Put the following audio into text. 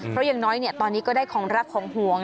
เพราะอย่างน้อยตอนนี้ก็ได้ของรักของห่วง